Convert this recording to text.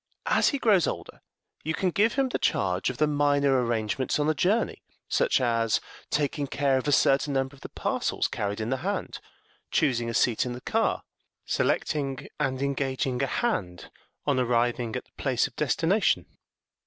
As he grows older you can give him the charge of the minor arrangements on a journey, such as taking care of a certain number of the parcels carried in the hand, choosing a seat in the car, selecting and engaging a hand on arriving at the place of destination.